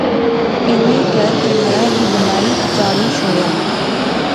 انی کہھر ٹہارا وی بنائی چاڑی شوڑیا